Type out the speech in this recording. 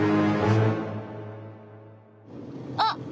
あっ！